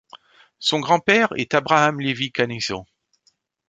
Son grand-père est Abraham Levi Caniso.